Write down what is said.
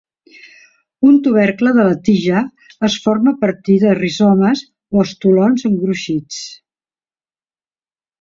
Un tubercle de la tija es forma a partir de rizomes o estolons engruixits.